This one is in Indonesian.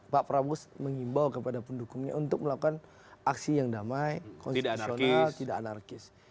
pak prabowo mengimbau kepada pendukungnya untuk melakukan aksi yang damai konstitusional tidak anarkis